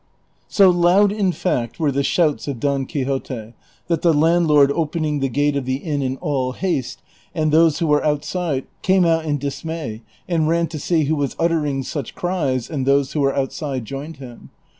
So loud, in fact, were the shouts of Don Quixote, that the landlord opening the gate of the inn in all haste, came out in dismay, and ran to see who was uttering such cries, and those who were outside joined him.